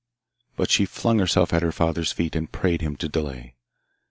But she flung herself at her father's feet, and prayed him to delay.